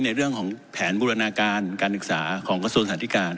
ในเรื่องของแผนบูรณาการการศึกษาของกระทรวงสาธิการ